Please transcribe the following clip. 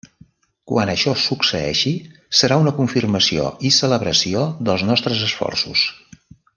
Quan això succeeixi, serà una confirmació i celebració dels nostres esforços.